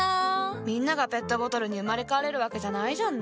みんながペットボトルに生まれ変われるわけじゃないじゃんね。